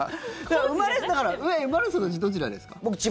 生まれ育ちどちらですか？